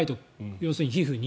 要するに皮膚に。